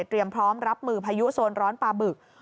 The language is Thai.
พร้อมรับมือพายุโซนร้อนปลาบึก